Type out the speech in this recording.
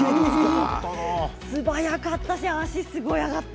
素早かったし、足がすごい上がった。